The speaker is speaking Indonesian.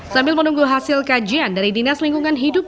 sambil menunggu hasil kajian dari dinas lingkungan hidup